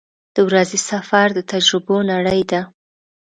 • د ورځې سفر د تجربو نړۍ ده.